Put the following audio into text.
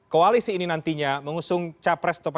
koalisi ini nantinya mengusung capres